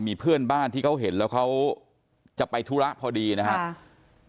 มีเพื่อนบ้านที่เขาเห็นแล้วเขาจะไปธุระพอดีนะครับ